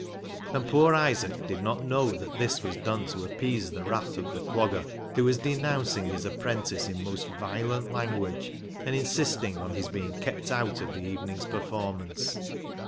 And poor Isaac did not know that this was done to appease the wrath of the Clogger, who was denouncing his apprentice in most violent language, and insisting on his being kept out of the evening's performance.